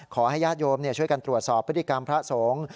ขอให้ญาติโยมช่วยกันตรวจสอบพฤติกรรมพระสงฆ์